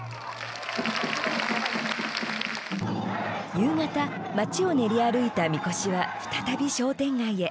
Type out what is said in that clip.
夕方街を練り歩いた神輿は再び商店街へ。